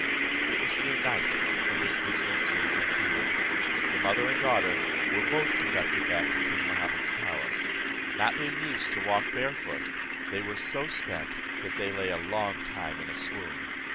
It was near night when this dismal scene concluded. The mother and daughter were both conducted back to king Mahummud's palace. Not being used to walk bare foot, they were so spent, that they lay a long time in a swoon.